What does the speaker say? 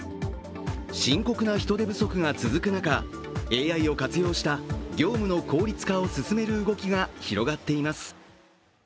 深刻な人手不足が続く中、ＡＩを活用した業務の効率化を進める動きが広がっています。